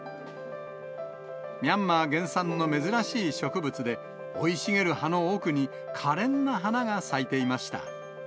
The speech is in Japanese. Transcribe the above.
ミャンマー原産の珍しい植物で、生い茂る葉の奥に、かれんな花が咲いていました。